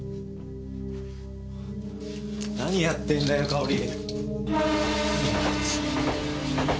何やってんだよかおり。